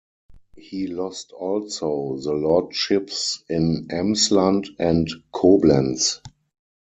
He lost also the lordships in Emsland and Koblenz.